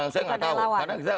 saya tidak tahu